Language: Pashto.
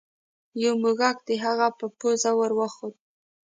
یو موږک د هغه په پوزه ور وخوت.